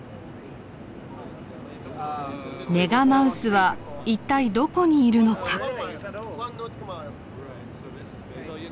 メガマウスは一体どこにいるのか。